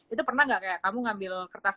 itu pernah gak kayak kamu ngambil kertas